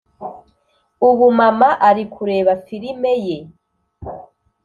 Ubu mama ari kureba firime ye